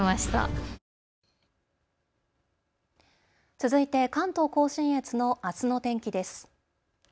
続いて関東甲信越のあすの天気です。